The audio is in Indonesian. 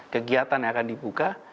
kegiatan yang akan dibuka